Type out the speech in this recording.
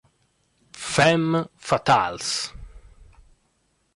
Femme fatales